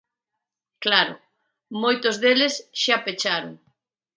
Claro, moitos deles xa pecharon.